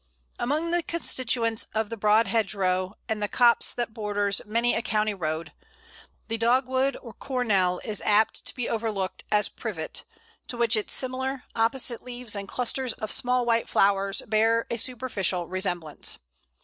Among the constituents of the broad hedgerow, and the copse that borders many a country road, the Dogwood or Cornel is apt to be overlooked as Privet, to which its similar, opposite leaves and clusters of small white flowers bear a superficial resemblance.